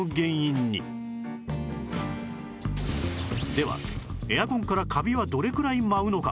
ではエアコンからカビはどれくらい舞うのか？